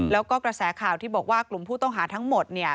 แล้วก็กระแสข่าวที่บอกว่ากลุ่มผู้ต้องหาทั้งหมดเนี่ย